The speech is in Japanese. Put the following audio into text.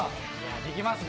できますね。